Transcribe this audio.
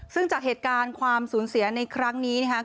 ซึ่งจากเหตุการณ์ความสูญเสียในครั้งนี้นะครับ